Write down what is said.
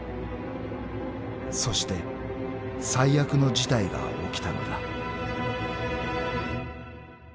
［そして最悪の事態が起きたのだ］